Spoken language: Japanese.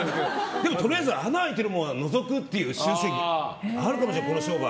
でもとりあえず穴開いてるものはのぞくっていう習性あるかもしれないこの商売。